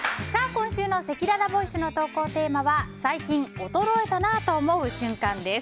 今週のせきららボイスの投稿テーマは最近衰えたなぁと思う瞬間です。